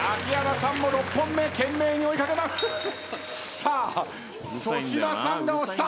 さあ粗品さんが押した。